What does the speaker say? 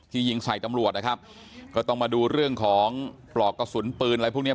ยิงใส่ตำรวจนะครับก็ต้องมาดูเรื่องของปลอกกระสุนปืนอะไรพวกเนี้ย